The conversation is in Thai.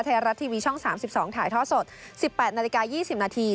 ไทยรัฐทีวีช่อง๓๒ถ่ายท่อสด๑๘นาฬิกา๒๐นาที